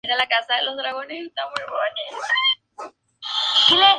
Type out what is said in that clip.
Actualmente, es una de las atracciones turísticas más visitadas de Dresde.